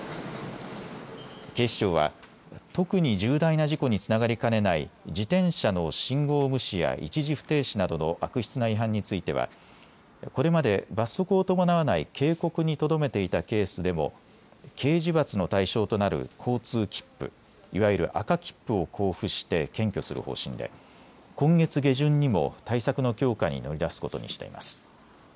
警視庁は特に重大な事故につながりかねない自転車の信号無視や一時不停止などの悪質な違反についてはこれまで罰則を伴わない警告にとどめていたケースでも刑事罰の対象となる交通切符、いわゆる赤切符を交付して検挙する方針で今月下旬にも対策の強化に乗り出すことにしています。